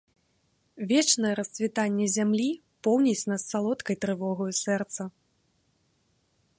Вечнае расцвітанне зямлі поўніць нас салодкай трывогаю сэрца.